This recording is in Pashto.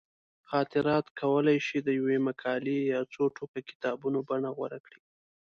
خاطرات کولی شي د یوې مقالې یا څو ټوکه کتابونو بڼه غوره کړي.